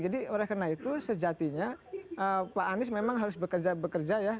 jadi oleh karena itu sejatinya pak anies memang harus bekerja bekerja